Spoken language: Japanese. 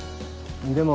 でも。